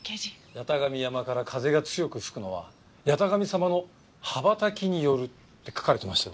「八咫神山から風が強く吹くのは八咫神様の羽ばたきによる」って書かれてましたよ